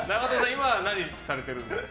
今は何されてるんですか。